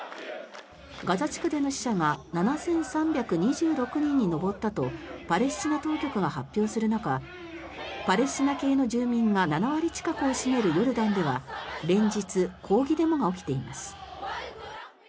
ガザ地区での死者が７３２６人に上ったとパレスチナ当局が発表する中パレスチナ系の住民が７割近くを占めるヨルダンでは連日、抗議デモが起きています。